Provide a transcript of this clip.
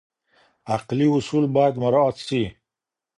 عقلي اصول باید مراعات سي.